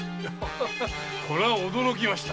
これは驚きました。